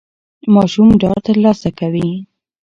ماشوم ډاډ ترلاسه کوي.